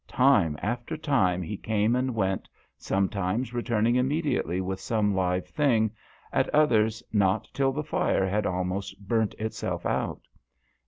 Time after time he came and went, sometimes returning immediately with some live thing, at others not till the fire had almost burnt itself out.